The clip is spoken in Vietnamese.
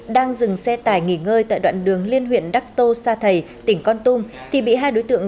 đang dừng xe tải nghỉ ngơi tại đoạn đường liên huyện đắc tô sa thầy tỉnh con tum thì bị hai đối tượng